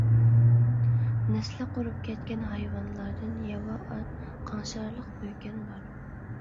نەسلى قۇرۇپ كەتكەن ھايۋانلاردىن ياۋا ئات، قاڭشارلىق بۆكەن بار.